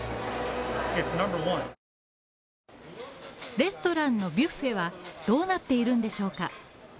レストランのビュッフェはどうなっているんでしょうか？